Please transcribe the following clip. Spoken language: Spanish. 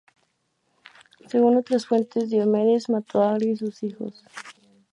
Según otras fuentes, Diomedes mató a Agrio y sus hijos.